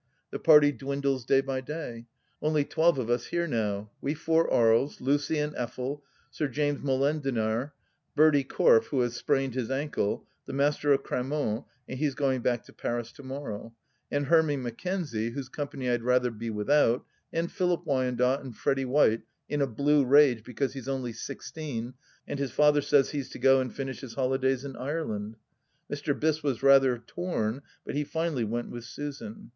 The party dwindles day by day ; only twelve of us here now : we four Aries, Lucy and Effel, Sir James Molendinar, Bertie Corfe, who has sprained his ankle, the Master of Cramont (and he's going back to Paris to morrow), and Hermy Mackenzie whose company I'd rather be without, and Philip Wyandotte and Freddy White, in a blue rage because he's only sixteen and his father says he's to go and finish his holidays in Ireland. Mr. Biss was rather torn, but he finally went with Susan.